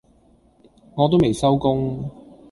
我都未收工